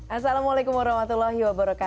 assalamualaikum wr wb